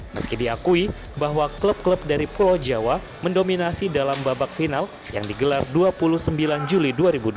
meski diakui bahwa klub klub dari pulau jawa mendominasi dalam babak final yang digelar dua puluh sembilan juli dua ribu dua puluh